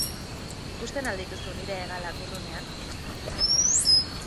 Ikusten al dituzu nire hegalak urrunean?